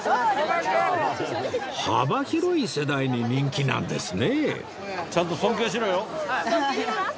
幅広い世代に人気なんですね